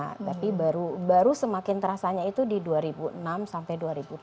nah tapi baru semakin terasanya itu di dua ribu enam sampai dua ribu tujuh belas